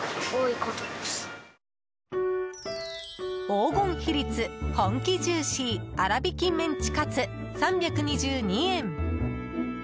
黄金比率本気ジューシー粗挽きメンチカツ、３２２円。